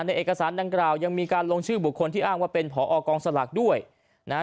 เอกสารดังกล่าวยังมีการลงชื่อบุคคลที่อ้างว่าเป็นผอกองสลากด้วยนะฮะ